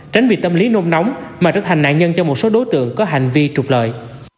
tránh vì tâm lý nôn nóng mà trở thành nạn nhân cho một số đối tượng có hành vi trục lợi